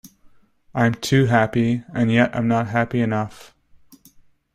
I’m too happy; and yet I’m not happy enough.